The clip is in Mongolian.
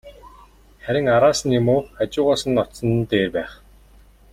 Харин араас нь юм уу, хажуугаас нь очсон нь дээр байх.